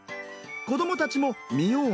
子どもたちも見よう